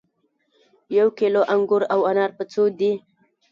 یو کیلو انګور او انار په څو دي